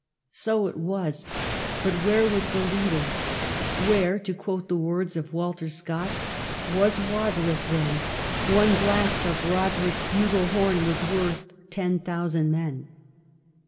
So it was, but where was the leader ? Where, to quote the words of Walter Scott, " was Roderick then — one blast of Rod erick s bugle horn were worth ten thousand men